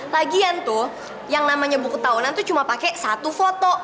lagian tuh yang namanya buku tahunan tuh cuma pakai satu foto